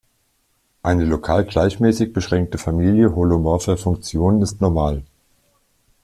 Eine lokal gleichmäßig beschränkte Familie holomorpher Funktionen ist normal.